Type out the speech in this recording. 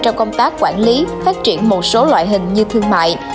trong công tác quản lý phát triển một số loại hình như thương mại